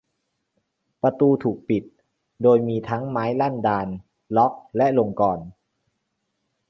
ประตูถูกปิดโดยมีทั้งไม้ลั่นดาล ล็อค และลงกลอน